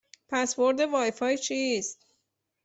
پسورد وای فای چیست؟